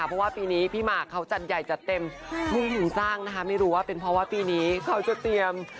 เพราะว่าปีนี้พี่หมากเขาจัดใหญ่จัดเต็มผู้หญิงสร้างนะคะไม่รู้ว่าเป็นเพราะว่าปีนี้เขาจะเตรียม